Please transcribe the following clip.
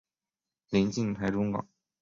临近台中港。